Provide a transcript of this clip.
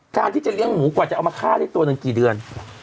การที่จะเลี้ยงหมูกว่าจะเอามาฆ่าได้ตัวหนึ่งกี่เดือน